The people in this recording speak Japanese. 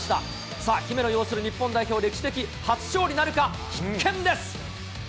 さあ、姫野擁する日本代表、歴史的初勝利なるか、必見です。